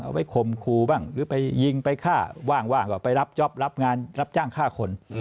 ไว้คมครูบ้างหรือไปยิงไปฆ่าว่างก็ไปรับจ๊อปรับงานรับจ้างฆ่าคน